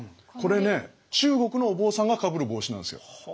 これね中国のお坊さんがかぶる帽子なんですよ。